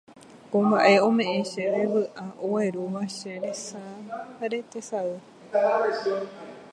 Ko mbaʼe omeʼẽ chéve vyʼa oguerúva che resáre tesay.